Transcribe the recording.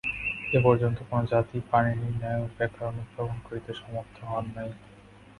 এ পর্যন্ত কোন জাতি পাণিনির ন্যায় ব্যাকরণ উদ্ভাবন করিতে সমর্থ হন নাই।